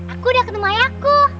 aku udah ketemu ayahku